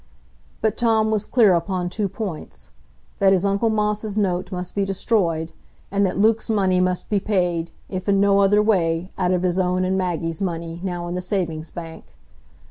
But Tom was clear upon two points,—that his uncle Moss's note must be destroyed; and that Luke's money must be paid, if in no other way, out of his own and Maggie's money now in the savings bank.